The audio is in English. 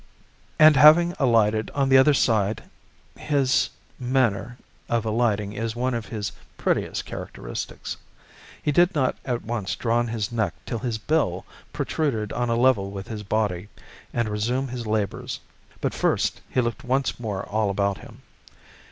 And having alighted on the other side (his manner of alighting is one of his prettiest characteristics), he did not at once draw in his neck till his bill protruded on a level with his body, and resume his labors, but first he looked once more all about him.